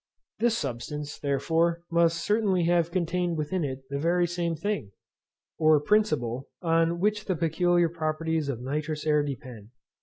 This substance, therefore, must certainly have contained within it the very same thing, or principle, on which the peculiar properties of nitrous air depend.